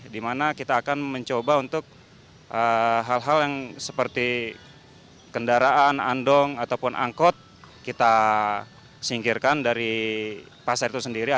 dimana kita akan mencoba untuk hal hal yang seperti kendaraan andong ataupun angkot kita singkirkan dari pasar itu sendiri